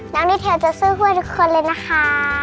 น้องดีเทลจะช่วยทุกคนเลยนะคะ